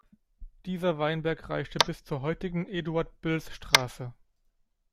Dieser Weinberg reichte bis zur heutigen Eduard-Bilz-Straße.